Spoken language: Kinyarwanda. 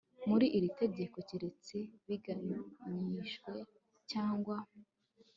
muri iri tegeko keretse bigabanyijwe cyangwa